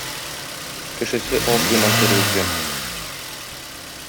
Кешесе аз иман тергезгән.